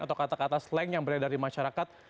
atau kata kata slang yang beredar di masyarakat